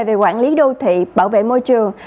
về quản lý đô thị bảo vệ môi trường